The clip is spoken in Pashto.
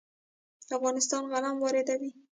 افغانستان غنم واردوي.